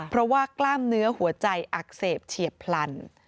เพราะว่ากล้ามเนื้อหัวใจอักเสบเฉียบพลัน